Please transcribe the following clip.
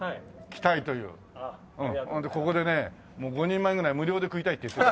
ここでねもう５人前ぐらい無料で食いたいって言ってる。